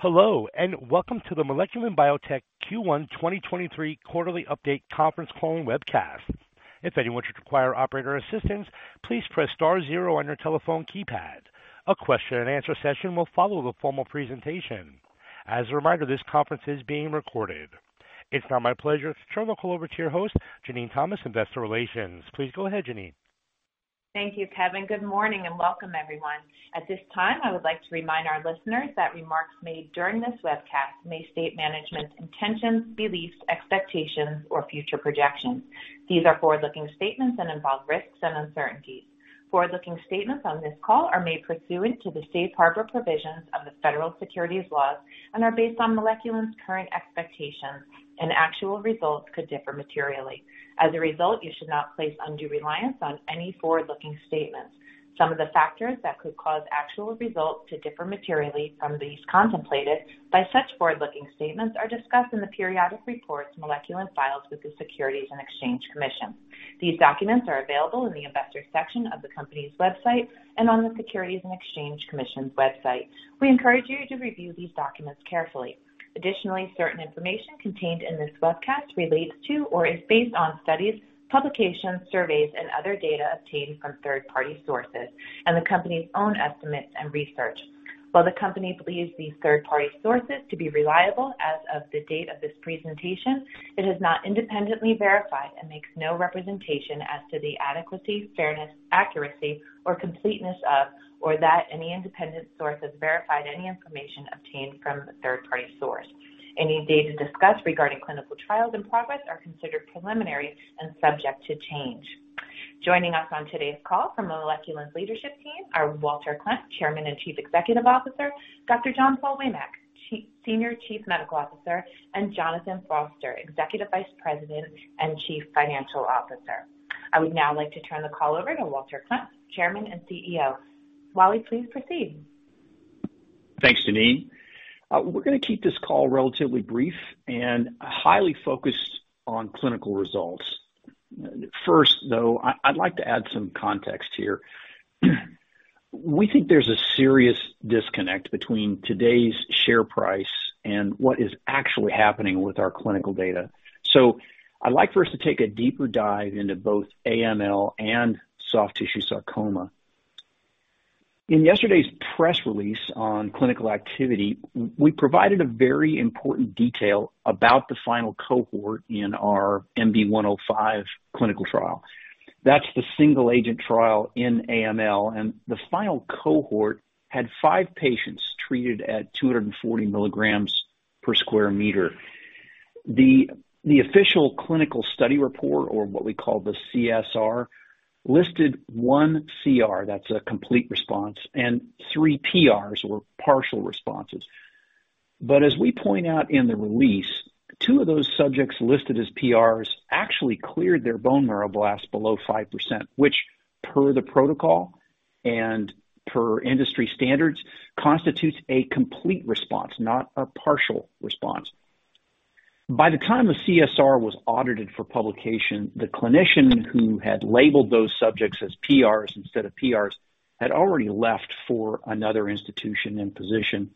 Hello, welcome to the Moleculin Biotech Q1 2023 quarterly update conference call and webcast. If anyone should require operator assistance, please press star zero on your telephone keypad. A question-and-answer session will follow the formal presentation. As a reminder, this conference is being recorded. It's now my pleasure to turn the call over to your host, Jenene Thomas, Investor Relations. Please go ahead, Jenene. Thank you, Kevin. Good morning, and welcome everyone. At this time, I would like to remind our listeners that remarks made during this webcast may state management's intentions, beliefs, expectations, or future projections. These are forward-looking statements and involve risks and uncertainties. Forward-looking statements on this call are made pursuant to the safe harbor provisions of the federal securities laws and are based on Moleculin's current expectations, and actual results could differ materially. As a result, you should not place undue reliance on any forward-looking statements. Some of the factors that could cause actual results to differ materially from these contemplated by such forward-looking statements are discussed in the periodic reports Moleculin files with the Securities and Exchange Commission. These documents are available in the Investors section of the company's website and on the Securities and Exchange Commission's website. We encourage you to review these documents carefully. Additionally, certain information contained in this webcast relates to or is based on studies, publications, surveys, and other data obtained from third-party sources and the company's own estimates and research. While the company believes these third-party sources to be reliable as of the date of this presentation, it has not independently verified and makes no representation as to the adequacy, fairness, accuracy, or completeness of, or that any independent source has verified any information obtained from the third-party source. Any data discussed regarding clinical trials in progress are considered preliminary and subject to change. Joining us on today's call from Moleculin's leadership team are Walter Klemp, Chairman and Chief Executive Officer, Dr. John Paul Waymack, Senior Chief Medical Officer, and Jonathan Foster, Executive Vice President and Chief Financial Officer. I would now like to turn the call over to Walter Klemp, Chairman and CEO. Wally, please proceed. Thanks, Jenene. We're going to keep this call relatively brief and highly focused on clinical results. First, though, I'd like to add some context here. We think there's a serious disconnect between today's share price and what is actually happening with our clinical data. I'd like for us to take a deeper dive into both AML and soft tissue sarcoma. In yesterday's press release on clinical activity, we provided a very important detail about the final cohort in our MB-105 clinical trial. That's the single-agent trial in AML, and the final cohort had five patients treated at 240 milligrams per square meter. The official clinical study report, or what we call the CSR, listed one CR, that's a complete response, and three PRs or partial responses. As we point out in the release, two of those subjects listed as PRs actually cleared their bone marrow blasts below 5%, which per the protocol and per industry standards, constitutes a complete response, not a partial response. By the time the CSR was audited for publication, the clinician who had labeled those subjects as PRs instead of CRs had already left for another institution and position.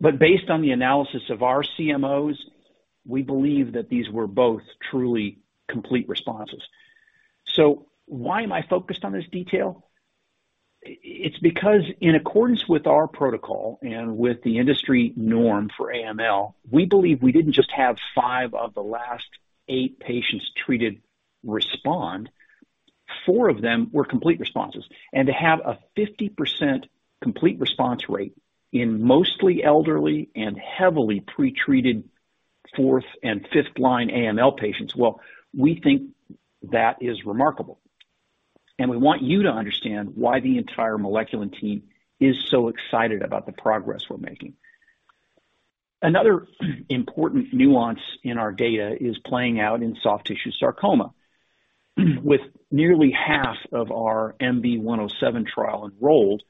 Based on the analysis of our CMOs, we believe that these were both truly complete responses. Why am I focused on this detail? It's because in accordance with our protocol and with the industry norm for AML, we believe we didn't just have five of the last eight patients treated respond, four of them were complete responses. To have a 50% complete response rate in mostly elderly and heavily pretreated fourth- and fifth-line AML patients, well, we think that is remarkable. We want you to understand why the entire Moleculin team is so excited about the progress we're making. Another important nuance in our data is playing out in soft tissue sarcoma. With nearly half of our MB-107 trial enrolled,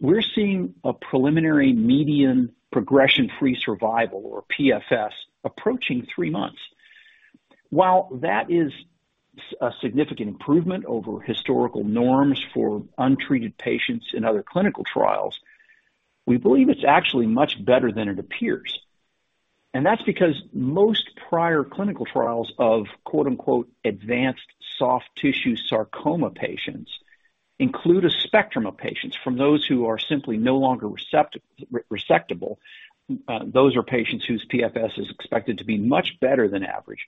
we're seeing a preliminary median progression-free survival or PFS approaching three months. While that is a significant improvement over historical norms for untreated patients in other clinical trials, we believe it's actually much better than it appears. That's because most prior clinical trials of quote unquote "advanced soft tissue sarcoma patients" include a spectrum of patients from those who are simply no longer re-resectable, those are patients whose PFS is expected to be much better than average,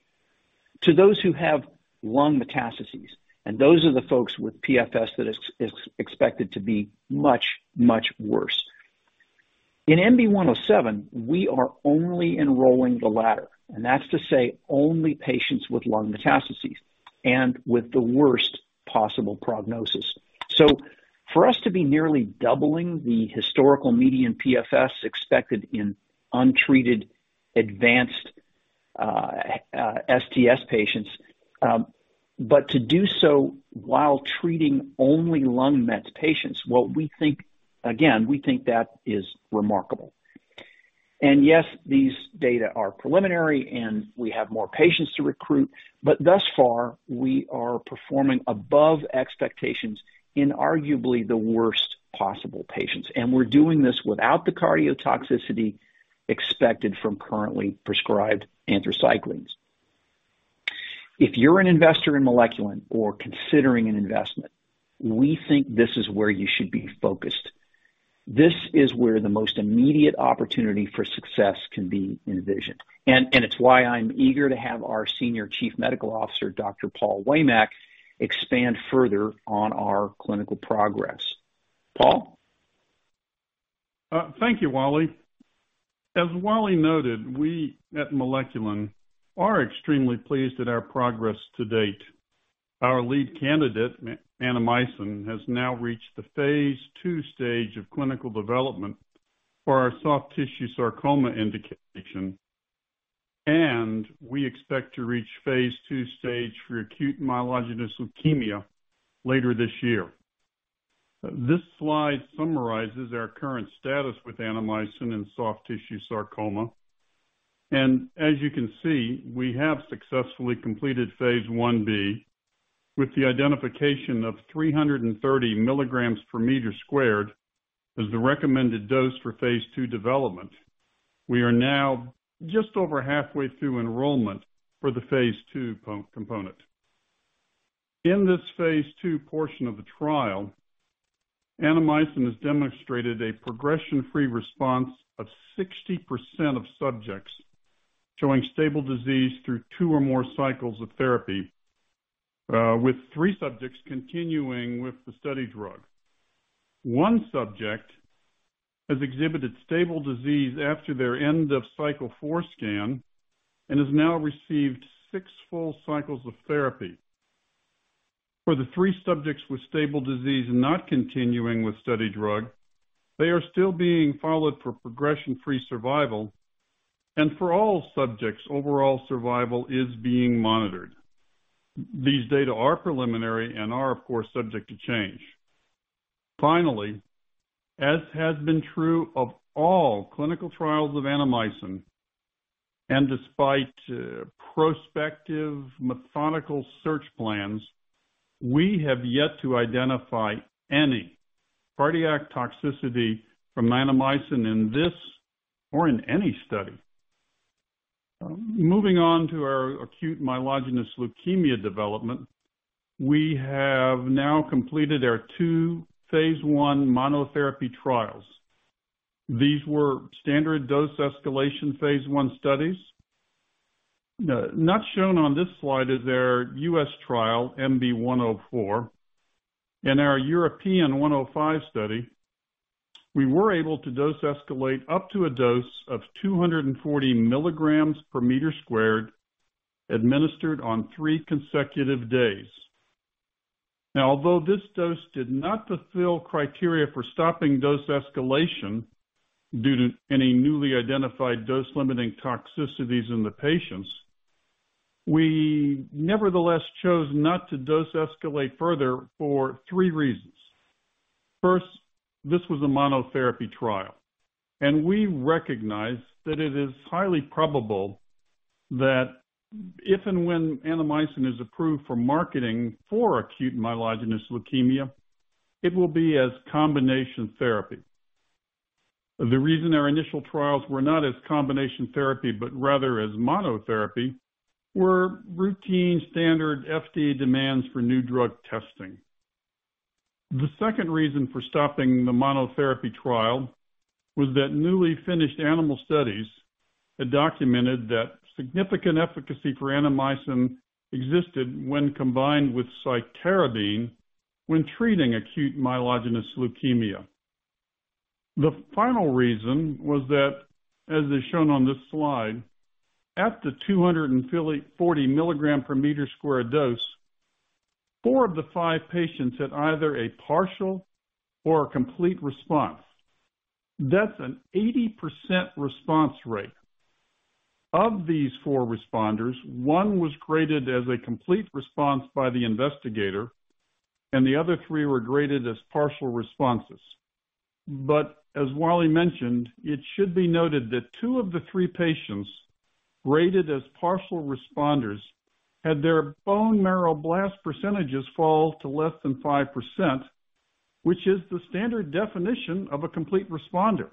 to those who have lung metastases, those are the folks with PFS that is expected to be much worse. In MB-107, we are only enrolling the latter. That's to say only patients with lung metastases and with the worst possible prognosis. For us to be nearly doubling the historical median PFS expected in untreated advanced STS patients, to do so while treating only lung mets patients, well, we think... Again, we think that is remarkable. Yes, these data are preliminary, and we have more patients to recruit, but thus far, we are performing above expectations in arguably the worst possible patients. We're doing this without the cardiotoxicity expected from currently prescribed anthracyclines. If you're an investor in Moleculin or considering an investment, we think this is where you should be focused. This is where the most immediate opportunity for success can be envisioned. It's why I'm eager to have our Senior Chief Medical Officer, Dr. Paul Waymack, expand further on our clinical progress. Paul? Thank you, Wally. As Wally noted, we at Moleculin are extremely pleased at our progress to date. Our lead candidate, Annamycin, has now reached the phase II stage of clinical development for our soft tissue sarcoma indication, and we expect to reach phase II stage for acute myelogenous leukemia later this year. This slide summarizes our current status with Annamycin in soft tissue sarcoma. As you can see, we have successfully completed Phase I-B with the identification of 330 milligrams per meter squared as the recommended dose for phase II development. We are now just over halfway through enrollment for the phase II component. In this phase II portion of the trial, Annamycin has demonstrated a progression-free response of 60% of subjects showing stable disease through two or more cycles of therapy, with three subjects continuing with the study drug. One subject has exhibited stable disease after their end of Cycle four scan and has now received six full cycles of therapy. For the three subjects with stable disease not continuing with study drug, they are still being followed for progression-free survival, and for all subjects, overall survival is being monitored. These data are preliminary and are, of course, subject to change. Finally, as has been true of all clinical trials of Annamycin, and despite prospective methodical search plans, we have yet to identify any cardiac toxicity from Annamycin in this or in any study. Moving on to our acute myelogenous leukemia development, we have now completed our two phase I monotherapy trials. These were standard dose escalation phase I studies. Not shown on this slide is their U.S. trial, MB-104, and our European MB-105 study. We were able to dose escalate up to a dose of 240 milligrams per meter squared, administered on three consecutive days. Although this dose did not fulfill criteria for stopping dose escalation due to any newly identified dose-limiting toxicities in the patients, we nevertheless chose not to dose escalate further for three reasons. First, this was a monotherapy trial. We recognize that it is highly probable that if and when Annamycin is approved for marketing for acute myelogenous leukemia, it will be as combination therapy. The reason our initial trials were not as combination therapy but rather as monotherapy were routine standard FDA demands for new drug testing. The second reason for stopping the monotherapy trial was that newly finished animal studies had documented that significant efficacy for Annamycin existed when combined with Cytarabine when treating acute myelogenous leukemia. The final reason was that, as is shown on this slide, at the 240 milligram per meter square dose, four of the five patients had either a partial or a complete response. That's an 80% response rate. Of these four responders, one was graded as a complete response by the investigator, and the other three were graded as partial responses. As Wally mentioned, it should be noted that two of the three patients graded as partial responders had their bone marrow blast percentages fall to less than 5%, which is the standard definition of a complete responder.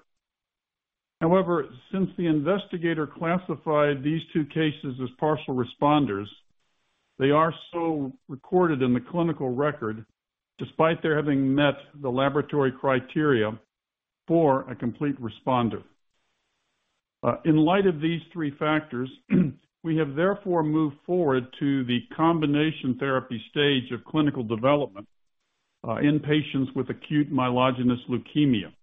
Since the investigator classified these two cases as partial responders, they are so recorded in the clinical record, despite their having met the laboratory criteria for a complete responder. In light of these three factors, we have therefore moved forward to the combination therapy stage of clinical development in patients with acute myelogenous leukemia.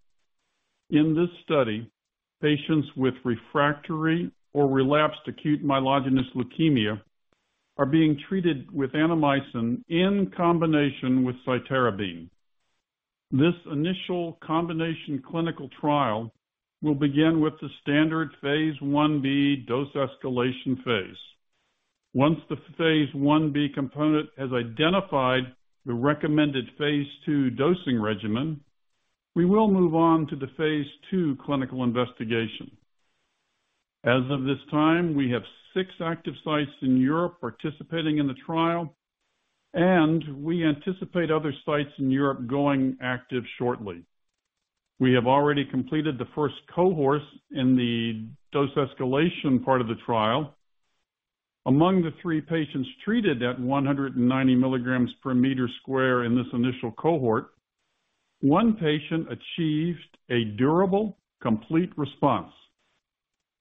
In this study, patients with refractory or relapsed acute myelogenous leukemia are being treated with Annamycin in combination with cytarabine. This initial combination clinical trial will begin with the standard phase I-B dose escalation phase. Once the phase I-B component has identified the recommended phase II dosing regimen, we will move on to the phase II clinical investigation. As of this time, we have six active sites in Europe participating in the trial, and we anticipate other sites in Europe going active shortly. We have already completed the first cohort in the dose escalation part of the trial. Among the three patients treated at 190 milligrams per meter square in this initial cohort, one patient achieved a durable, complete response.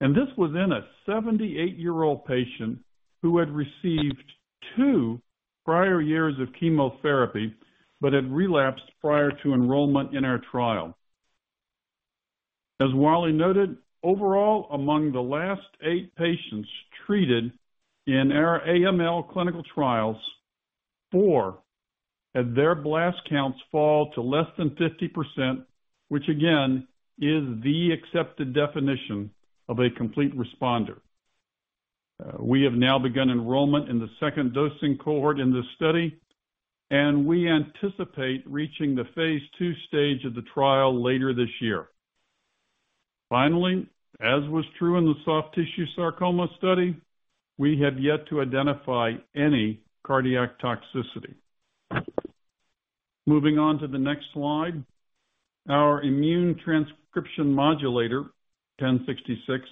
This was in a 78-year-old patient who had received two prior years of chemotherapy, but had relapsed prior to enrollment in our trial. As Wally noted, overall, among the last eight patients treated in our AML clinical trials, four had their blast counts fall to less than 50%, which again, is the accepted definition of a complete responder. We have now begun enrollment in the second dosing cohort in this study, and we anticipate reaching the phase II stage of the trial later this year. Finally, as was true in the soft tissue sarcoma study, we have yet to identify any cardiac toxicity. Moving on to the next slide. Our immune/transcription modulator, WP1066,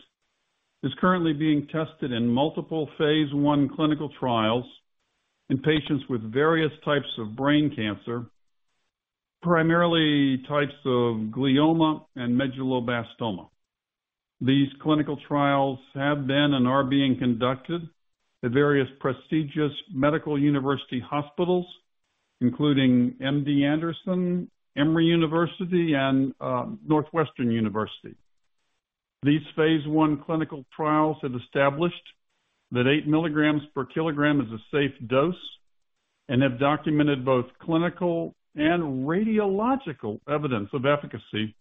is currently being tested in multiple phase I clinical trials in patients with various types of brain cancer, primarily types of glioma and medulloblastoma. These clinical trials have been and are being conducted at various prestigious medical university hospitals, including MD Anderson, Emory University, and Northwestern University. These phase I clinical trials have established that 8 milligrams per kilogram is a safe dose and have documented both clinical and radiological evidence of efficacy.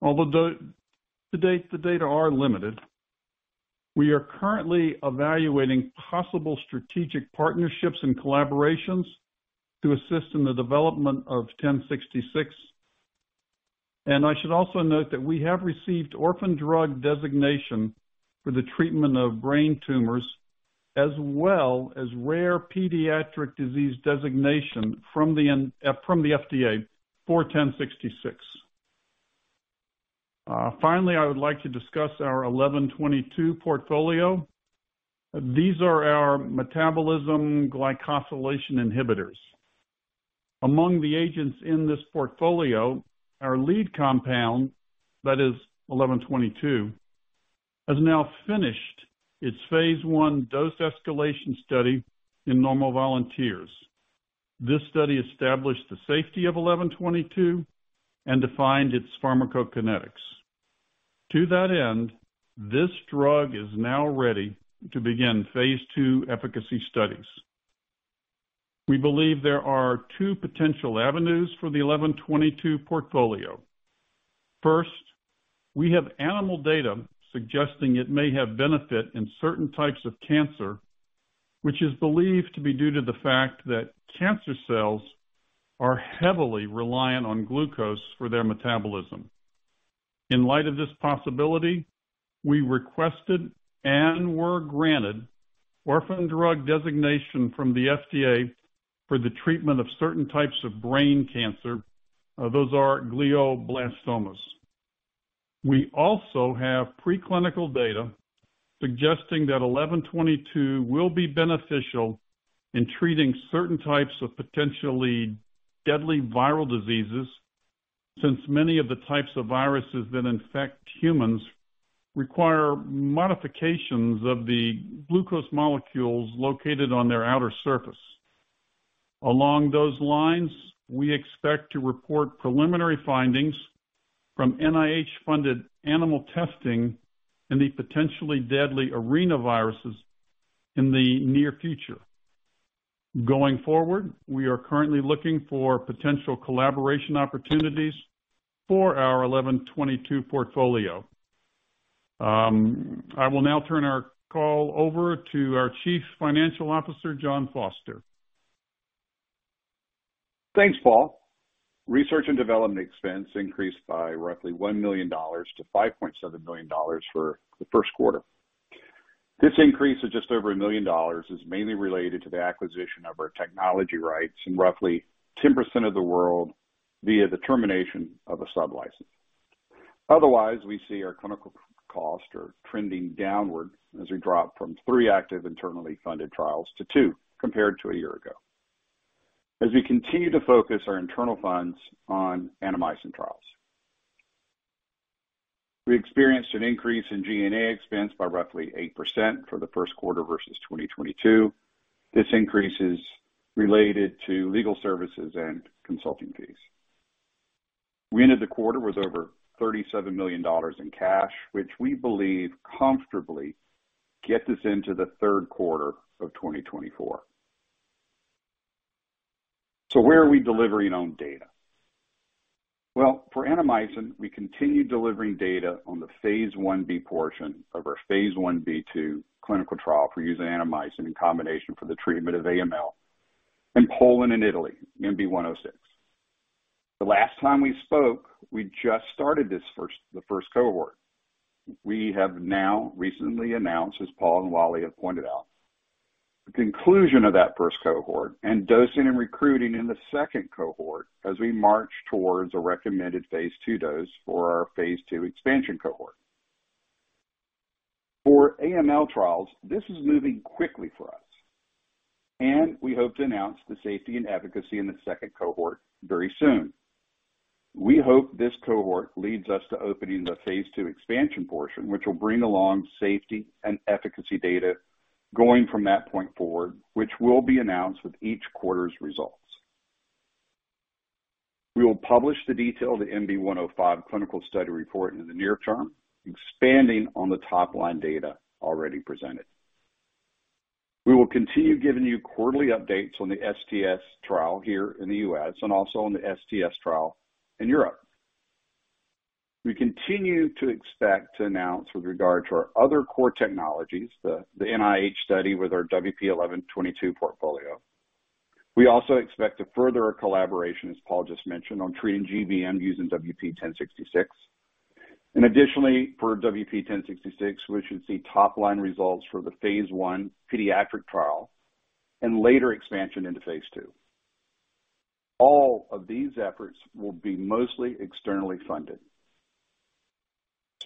Although, to date, the data are limited, we are currently evaluating possible strategic partnerships and collaborations to assist in the development of WP1066. I should also note that we have received Orphan Drug Designation for the treatment of brain tumors, as well as Rare Pediatric Disease Designation from the FDA for WP1066. Finally, I would like to discuss our WP1122 portfolio. These are our metabolism/glycosylation inhibitors. Among the agents in this portfolio, our lead compound, that is WP1122, has now finished its phase I dose escalation study in normal volunteers. This study established the safety of WP1122 and defined its pharmacokinetics. To that end, this drug is now ready to begin phase II efficacy studies. We believe there are two potential avenues for the WP1122 portfolio. First, we have animal data suggesting it may have benefit in certain types of cancer, which is believed to be due to the fact that cancer cells are heavily reliant on glucose for their metabolism. In light of this possibility, we requested and were granted Orphan Drug Designation from the FDA for the treatment of certain types of brain cancer. Those are glioblastomas. We also have preclinical data suggesting that WP1122 will be beneficial in treating certain types of potentially deadly viral diseases, since many of the types of viruses that infect humans require modifications of the glucose molecules located on their outer surface. Along those lines, we expect to report preliminary findings from NIH-funded animal testing in the potentially deadly arenaviruses in the near future. Going forward, we are currently looking for potential collaboration opportunities for our WP1122 portfolio. I will now turn our call over to our Chief Financial Officer, Jonathan Foster. Thanks, Paul. Research and development expense increased by roughly $1 million-$5.7 million for the first quarter. This increase of just over $1 million is mainly related to the acquisition of our technology rights in roughly 10% of the world via the termination of a sublicense. Otherwise, we see our clinical costs are trending downward as we drop from three active internally funded trials to two compared to a year ago. As we continue to focus our internal funds on Annamycin trials. We experienced an increase in G&A expense by roughly 8% for the first quarter versus 2022. This increase is related to legal services and consulting fees. We ended the quarter with over $37 million in cash, which we believe comfortably gets us into the third quarter of 2024. Where are we delivering on data? Well, for Annamycin, we continue delivering data on the phase I-B portion of our phase I-B/II clinical trial for using Annamycin in combination for the treatment of AML in Poland and Italy, MB-106. The last time we spoke, we just started the first cohort. We have now recently announced, as Paul and Wally have pointed out. The conclusion of that first cohort and dosing and recruiting in the second cohort as we march towards a recommended phase II dose for our phase II expansion cohort. For AML trials, this is moving quickly for us, and we hope to announce the safety and efficacy in the second cohort very soon. We hope this cohort leads us to opening the phase II expansion portion, which will bring along safety and efficacy data going from that point forward, which will be announced with each quarter's results. We will publish the detail of the MB-105 clinical study report in the near term, expanding on the top-line data already presented. We will continue giving you quarterly updates on the STS trial here in the U.S. and also on the STS trial in Europe. We continue to expect to announce with regard to our other core technologies, the NIH study with our WP1122 portfolio. We also expect to further our collaboration, as Paul just mentioned, on treating GBM using WP1066. Additionally, for WP1066, we should see top-line results for the phase I pediatric trial and later expansion into phase II. All of these efforts will be mostly externally funded.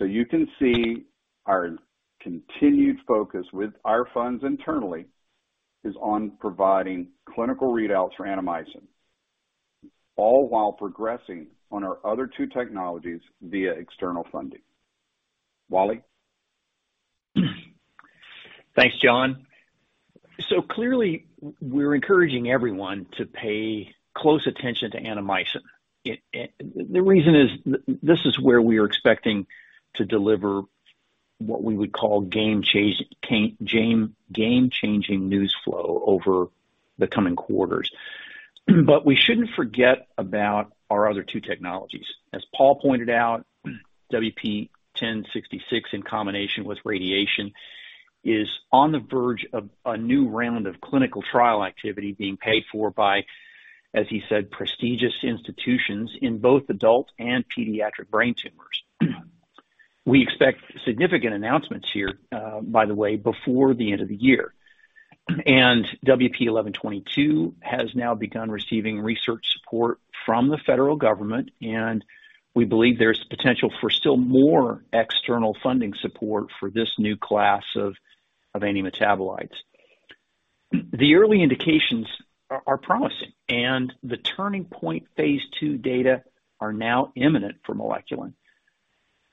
You can see our continued focus with our funds internally is on providing clinical readouts for Annamycin, all while progressing on our other two technologies via external funding. Wally? Thanks, John. Clearly, we're encouraging everyone to pay close attention to Annamycin. It. The reason is this is where we are expecting to deliver what we would call game-changing news flow over the coming quarters. We shouldn't forget about our other two technologies. As Paul pointed out, WP1066 in combination with radiation is on the verge of a new round of clinical trial activity being paid for by, as he said, prestigious institutions in both adult and pediatric brain tumors. We expect significant announcements here, by the way, before the end of the year. WP1122 has now begun receiving research support from the federal government, and we believe there's potential for still more external funding support for this new class of anti-metabolites. The early indications are promising, and the turning point phase II data are now imminent for Moleculin.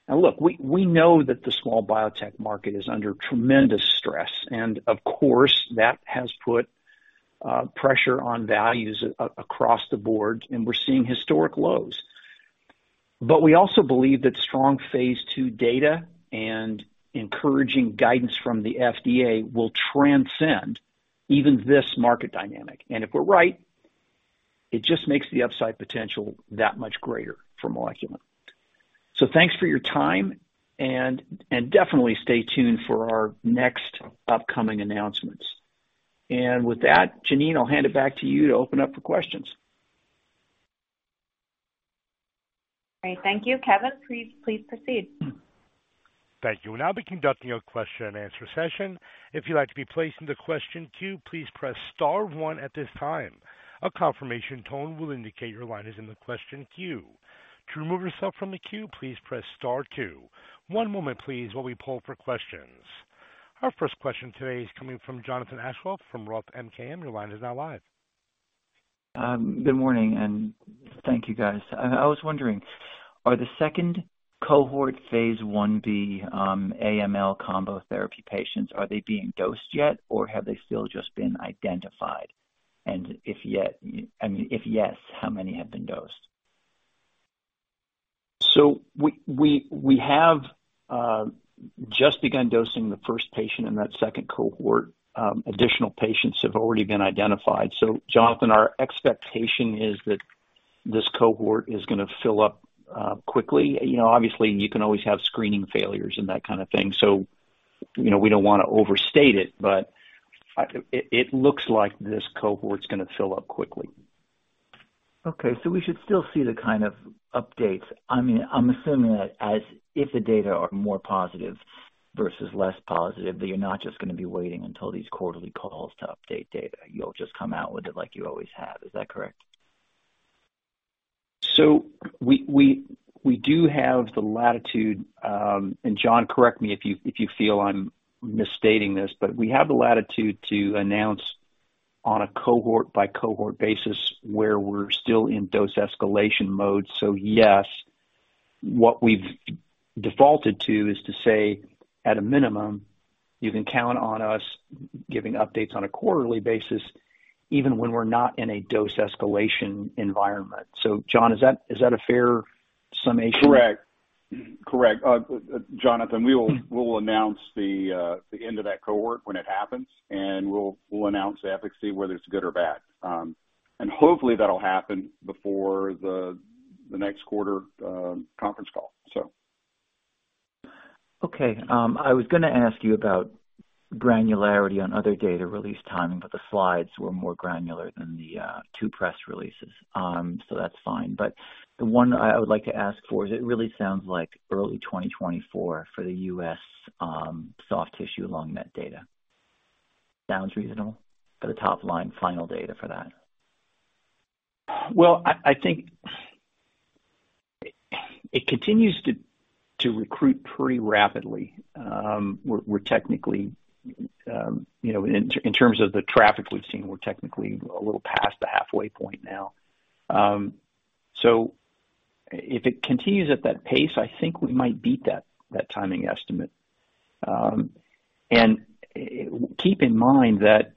Now look, we know that the small biotech market is under tremendous stress, and of course, that has put pressure on values across the board, and we're seeing historic lows. We also believe that strong phase II data and encouraging guidance from the FDA will transcend even this market dynamic. If we're right, it just makes the upside potential that much greater for Moleculin. Thanks for your time, and definitely stay tuned for our next upcoming announcements. With that, Jenene, I'll hand it back to you to open up for questions. All right. Thank you. Kevin, please proceed. Thank you. We'll now be conducting a question-and-answer session. If you'd like to be placed in the question queue, please press star one at this time. A confirmation tone will indicate your line is in the question queue. To remove yourself from the queue, please press star two. One moment please while we poll for questions. Our first question today is coming from Jonathan Aschoff from Roth MKM. Your line is now live. Good morning, and thank you guys. I was wondering, are the second cohort phase I-B AML combo therapy patients, are they being dosed yet, or have they still just been identified? If yet, I mean, if yes, how many have been dosed? We have just begun dosing the first patient in that second cohort. Additional patients have already been identified. Jonathan, our expectation is that this cohort is gonna fill up quickly. You know, obviously you can always have screening failures and that kind of thing, so, you know, we don't wanna overstate it, but it looks like this cohort's gonna fill up quickly. We should still see the kind of updates. I mean, I'm assuming that as if the data are more positive versus less positive, that you're not just gonna be waiting until these quarterly calls to update data. You'll just come out with it like you always have. Is that correct? We do have the latitude, and John, correct me if you feel I'm misstating this, but we have the latitude to announce on a cohort by cohort basis where we're still in dose escalation mode. Yes, what we've defaulted to is to say, at a minimum, you can count on us giving updates on a quarterly basis even when we're not in a dose escalation environment. John, is that a fair summation? Correct. Correct. Jonathan, we will. Mm-hmm. We will announce the end of that cohort when it happens, and we'll announce the efficacy, whether it's good or bad. Hopefully that'll happen before the next quarter conference call. Okay. I was gonna ask you about granularity on other data release timing, but the slides were more granular than the two press releases. That's fine. The one I would like to ask for is, it really sounds like early 2024 for the U.S. soft tissue lung met data. Sounds reasonable for the top line final data for that? I think it continues to recruit pretty rapidly. We're technically, you know, in terms of the traffic we've seen, we're technically a little past the halfway point now. If it continues at that pace, I think we might beat that timing estimate. And keep in mind that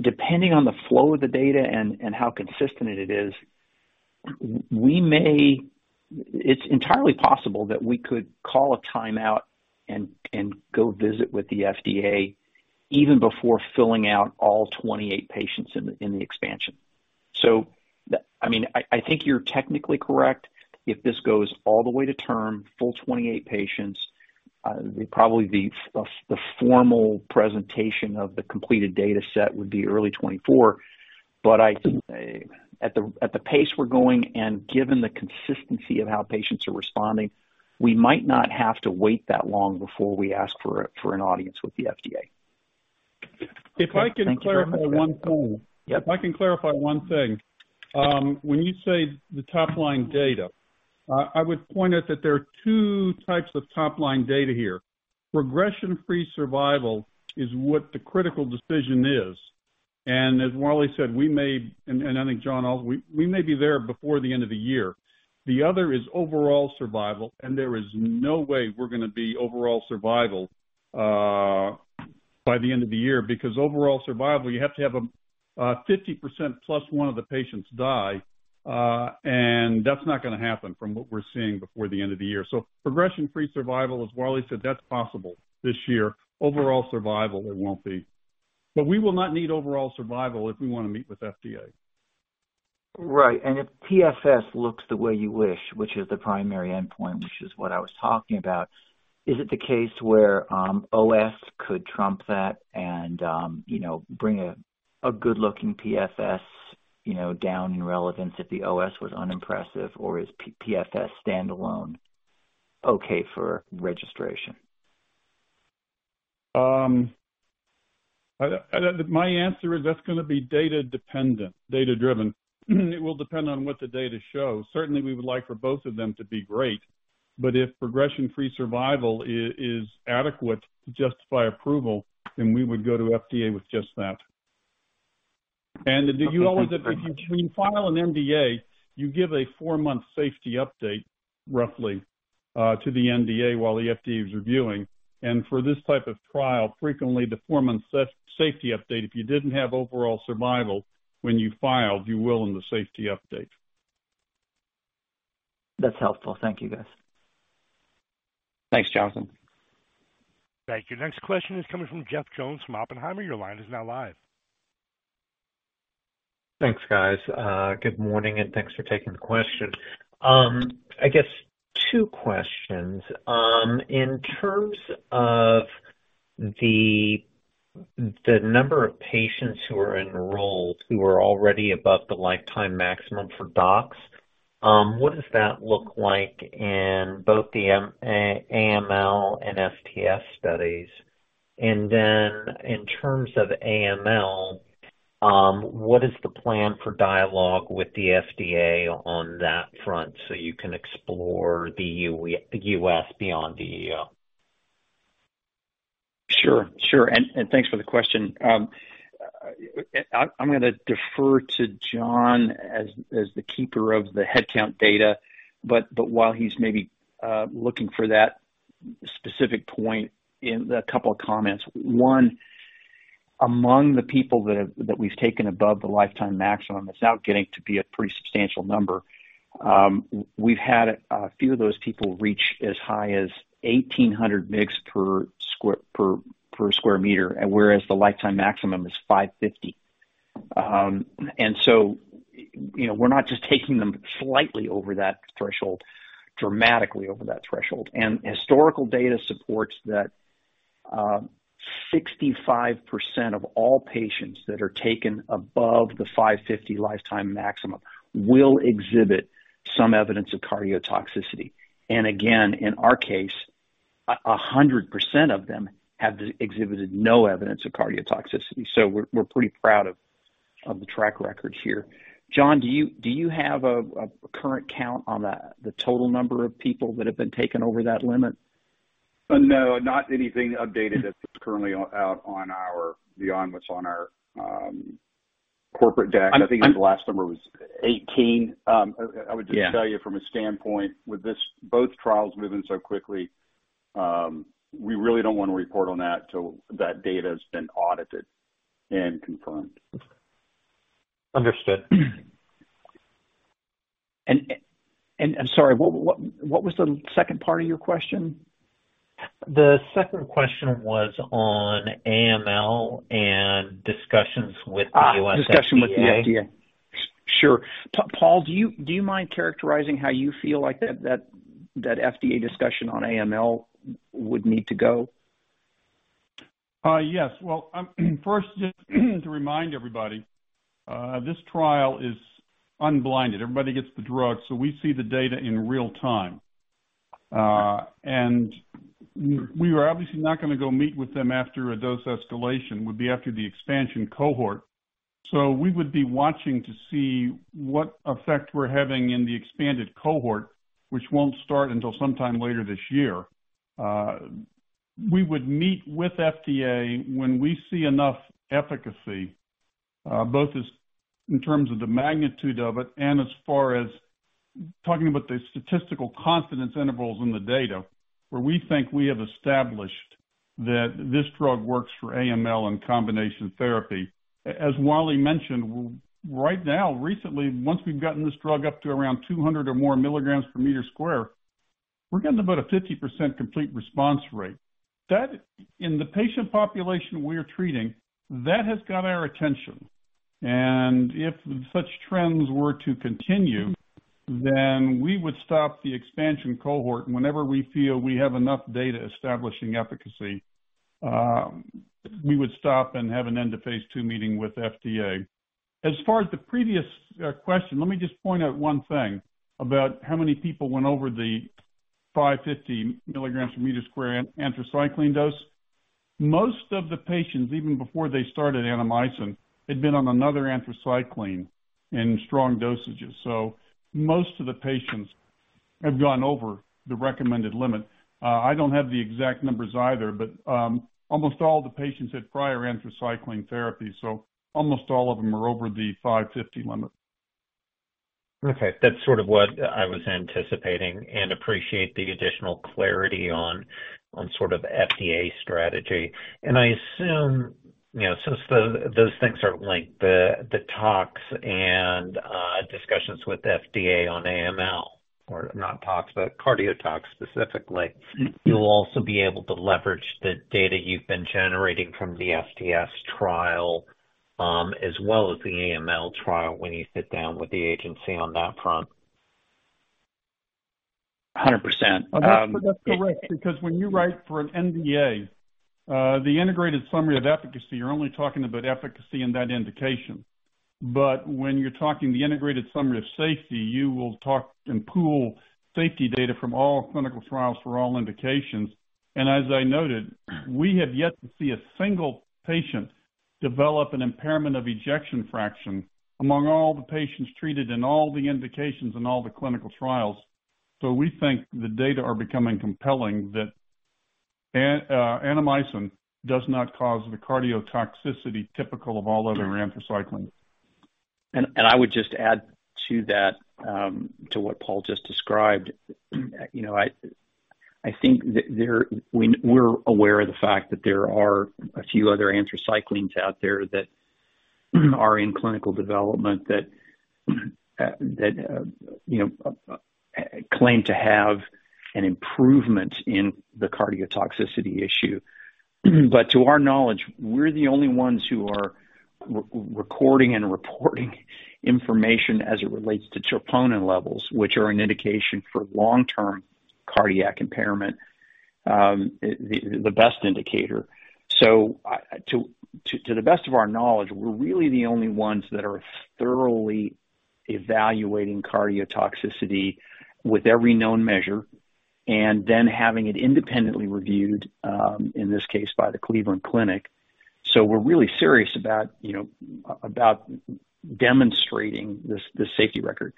depending on the flow of the data and how consistent it is, it's entirely possible that we could call a time out and go visit with the FDA even before filling out all 28 patients in the expansion. I mean, I think you're technically correct. If this goes all the way to term, full 28 patients, probably the formal presentation of the completed data set would be early 2024. I think at the, at the pace we're going and given the consistency of how patients are responding, we might not have to wait that long before we ask for an audience with the FDA. If I can clarify one thing. Yep. If I can clarify one thing. When you say the top-line data, I would point out that there are two types of top-line data here. Progression-free survival is what the critical decision is. As Wally said, we may, and I think John also, we may be there before the end of the year. The other is overall survival, there is no way we're going to be overall survival by the end of the year, because overall survival, you have to have a 50% plus one of the patients die, and that's not going to happen from what we're seeing before the end of the year. Progression-free survival, as Wally said, that's possible this year. Overall survival, it won't be. We will not need overall survival if we want to meet with FDA. Right. If PFS looks the way you wish, which is the primary endpoint, which is what I was talking about, is it the case where OS could trump that and, you know, bring a good-looking PFS, you know, down in relevance if the OS was unimpressive, or is PFS standalone okay for registration? My answer is that's going to be data dependent, data-driven. It will depend on what the data shows. Certainly, we would like for both of them to be great, but if progression-free survival is adequate to justify approval, then we would go to FDA with just that. Do you always- Okay, thank you. When you file an NDA, you give a four-month safety update, roughly, to the NDA while the FDA is reviewing. For this type of trial, frequently the four-month safety update, if you didn't have overall survival when you filed, you will in the safety update. That's helpful. Thank you, guys. Thanks, Jonathan. Thank you. Next question is coming from Jeff Jones from Oppenheimer. Your line is now live. Thanks, guys. Good morning, and thanks for taking the question. I guess two questions. In terms of the number of patients who are enrolled who are already above the lifetime maximum for doxorubicin, what does that look like in both the AML and MDS studies? In terms of AML, what is the plan for dialogue with the FDA on that front, so you can explore the U.S. beyond the EU? Sure. Sure. Thanks for the question. I'm gonna defer to John as the keeper of the headcount data. While he's maybe looking for that specific point in a couple of comments. One, among the people that we've taken above the lifetime maximum, it's now getting to be a pretty substantial number. We've had a few of those people reach as high as 1,800 migs per square meter, and whereas the lifetime maximum is 550. You know, we're not just taking them slightly over that threshold, dramatically over that threshold. Historical data supports that 65% of all patients that are taken above the 550 lifetime maximum will exhibit some evidence of cardiotoxicity. Again, in our case, 100% of them have exhibited no evidence of cardiotoxicity. We're pretty proud of the track record here. John, do you have a current count on the total number of people that have been taken over that limit? No, not anything updated that's currently out on our beyond what's on our corporate deck. I- I think the last number was 18. I would just tell you from a standpoint with this, both trials moving so quickly, we really don't want to report on that until that data has been audited and confirmed. Understood. Sorry, what was the second part of your question? The second question was on AML and discussions with the U.S. FDA. Discussion with the FDA. Sure. John, do you mind characterizing how you feel like that FDA discussion on AML would need to go? Yes. Well, first, just to remind everybody, this trial is unblinded. Everybody gets the drug, so we see the data in real time. We were obviously not gonna go meet with them after a dose escalation, would be after the expansion cohort. We would be watching to see what effect we're having in the expanded cohort, which won't start until sometime later this year. We would meet with FDA when we see enough efficacy, both as in terms of the magnitude of it and as far as talking about the statistical confidence intervals in the data, where we think we have established that this drug works for AML and combination therapy. As Wally mentioned, right now, recently, once we've gotten this drug up to around 200 or more milligrams per meter square, we're getting about a 50% complete response rate. That... In the patient population we're treating, that has got our attention. If such trends were to continue, then we would stop the expansion cohort. Whenever we feel we have enough data establishing efficacy, we would stop and have an end of phase II meeting with FDA. As far as the previous question, let me just point out one thing about how many people went over the 550 milligrams per meter square anthracycline dose. Most of the patients, even before they started Annamycin, had been on another anthracycline in strong dosages. Most of the patients have gone over the recommended limit. I don't have the exact numbers either, but almost all the patients had prior anthracycline therapy, so almost all of them are over the 550 limit. Okay. That's sort of what I was anticipating and appreciate the additional clarity on sort of FDA strategy. I assume, you know, since those things are linked, the talks and discussions with FDA on AML or not talks, but cardiotox specifically, you'll also be able to leverage the data you've been generating from the STS trial, as well as the AML trial when you sit down with the agency on that front. 100%. That's correct, because when you write for an NDA, the integrated summary of efficacy, you're only talking about efficacy in that indication. When you're talking the integrated summary of safety, you will talk and pool safety data from all clinical trials for all indications. As I noted, we have yet to see a single patient develop an impairment of ejection fraction among all the patients treated in all the indications in all the clinical trials. We think the data are becoming compelling that Annamycin does not cause the cardiotoxicity typical of all other anthracyclines. I would just add to that, to what Paul just described. You know, we're aware of the fact that there are a few other anthracyclines out there that are in clinical development that, you know, claim to have an improvement in the cardiotoxicity issue. To our knowledge, we're the only ones who are recording and reporting information as it relates to troponin levels, which are an indication for long-term cardiac impairment, the best indicator. To the best of our knowledge, we're really the only ones that are thoroughly evaluating cardiotoxicity with every known measure and then having it independently reviewed, in this case by the Cleveland Clinic. We're really serious about, you know, about demonstrating this safety record.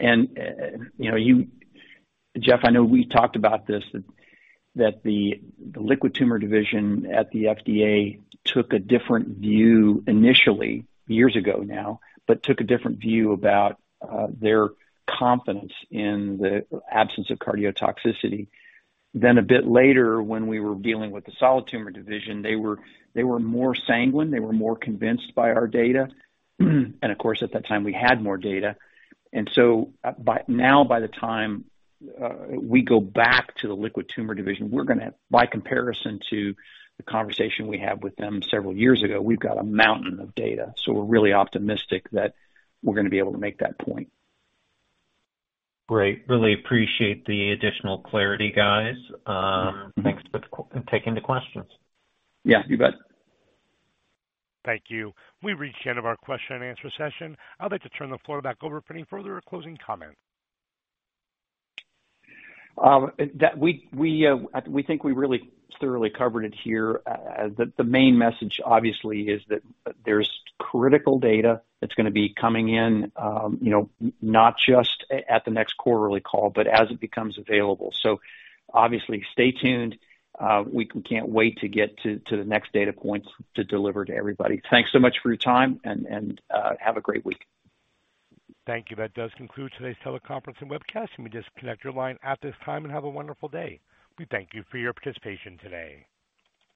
You know, you... Jeff, I know we talked about this, that the liquid tumor division at the FDA took a different view initially, years ago now, but took a different view about their confidence in the absence of cardiotoxicity. A bit later, when we were dealing with the solid tumor division, they were more sanguine, they were more convinced by our data. Of course, at that time we had more data. Now by the time we go back to the liquid tumor division, we're gonna, by comparison to the conversation we had with them several years ago, we've got a mountain of data. We're really optimistic that we're gonna be able to make that point. Great. Really appreciate the additional clarity, guys. Mm-hmm. Thanks for taking the questions. Yeah, you bet. Thank you. We've reached the end of our question and answer session. I'd like to turn the floor back over for any further closing comments. That we think we really thoroughly covered it here. The main message obviously is that there's critical data that's gonna be coming in, you know, not just at the next quarterly call, but as it becomes available. Obviously stay tuned. We can't wait to get to the next data points to deliver to everybody. Thanks so much for your time and have a great week. Thank you. That does conclude today's teleconference and webcast. You may disconnect your line at this time and have a wonderful day. We thank you for your participation today.